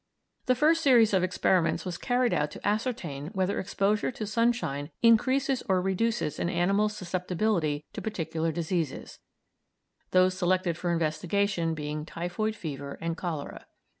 The first series of experiments was carried out to ascertain whether exposure to sunshine increases or reduces an animal's susceptibility to particular diseases, those selected for investigation being typhoid fever and cholera.